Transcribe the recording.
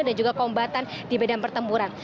dan juga kombatan di medan pertempuran